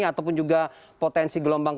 ataupun juga potensi gelombang